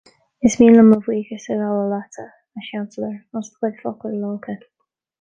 Is mian liom mo bhuíochas a ghabháil leatsa, a Seansailéir, as do chuid focail lácha